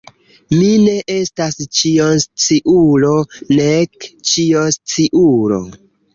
Mi ne estas ĉionsciulo, nek ĉiosciulo.